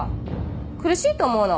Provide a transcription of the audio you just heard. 苦しいと思うの？